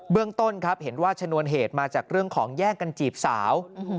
เรื่องต้นครับเห็นว่าชนวนเหตุมาจากเรื่องของแย่งกันจีบสาว